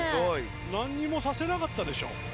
何もさせなかったでしょ。